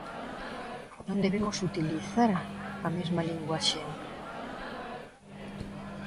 Non debemos utilizar a mesma linguaxe.